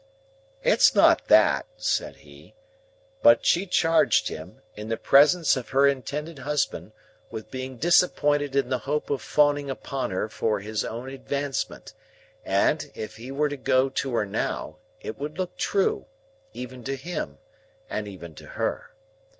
"It's not that," said he, "but she charged him, in the presence of her intended husband, with being disappointed in the hope of fawning upon her for his own advancement, and, if he were to go to her now, it would look true—even to him—and even to her.